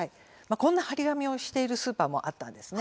こんな貼り紙をしているスーパーもあったんです。